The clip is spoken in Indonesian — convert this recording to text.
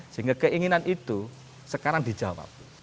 sehingga keinginan itu sekarang dijawab